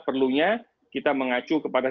perlunya kita mengacu kepada